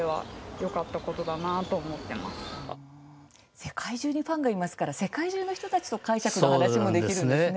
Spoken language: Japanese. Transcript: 世界中にファンがいますから世界中の人たちと解釈の話もできるんですね。